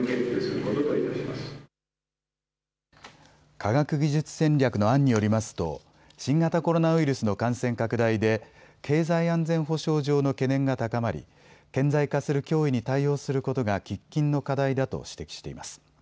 科学技術戦略の案によりますと新型コロナウイルスの感染拡大で経済安全保障上の懸念が高まり顕在化する脅威に対応することが喫緊の課題だと指摘しています。